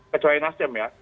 kecuali nasdem ya